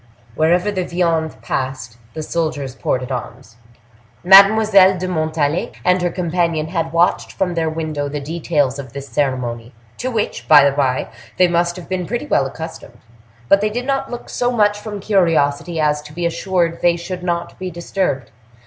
Wherever the viande passed, the soldiers ported arms. Mademoiselle de Montalais and her companion had watched from their window the details of this ceremony, to which, by the bye, they must have been pretty well accustomed. But they did not look so much from curiosity as to be assured they should not be disturbed.